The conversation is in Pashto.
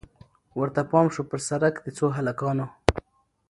ورته پام سو پر سړک د څو هلکانو